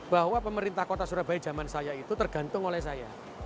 bahwa pemerintah kota surabaya zaman saya itu tergantung oleh saya